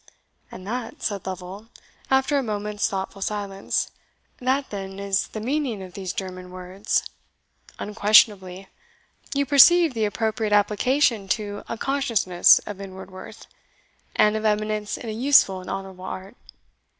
"And that," said Lovel, after a moment's thoughtful silence "that, then, is the meaning of these German words?" "Unquestionably. You perceive the appropriate application to a consciousness of inward worth, and of eminence in a useful and honourable art.